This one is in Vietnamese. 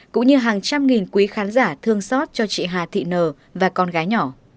cũng như hàng trăm nghìn quý khán giả thương xót cho chị hà thị nờ và con gái nhỏ